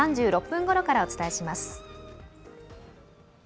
３６分ごろからお伝えします。